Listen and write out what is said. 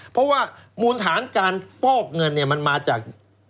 เพราะว่ามูลฐานการฟอกเงินเนี่ยมันมาจาก